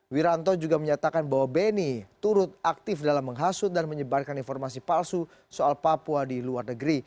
wiranto juga menyatakan bahwa beni turut aktif dalam menghasut dan menyebarkan informasi palsu soal papua di luar negeri